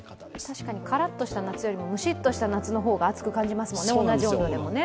確かに、カラッとした夏よりもムシッとした夏の方が暑く感じますよね。